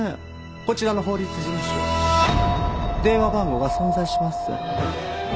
こちらの法律事務所電話番号が存在しません。